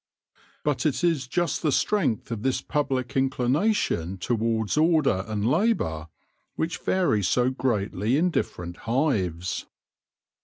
But it is just the strength of this public inclination towards order and labour which varies so greatly in different hives.